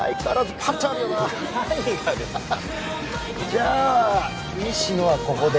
じゃあ西野はここで。